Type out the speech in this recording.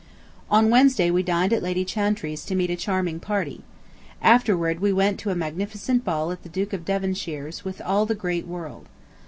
On Wednesday we dined at Lady Chantrey's to meet a charming party. Afterward we went to a magnificent ball at the Duke of Devonshire's, with all the great world.